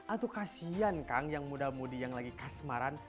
aduh kasian kang yang muda mudi yang lagi kasmaran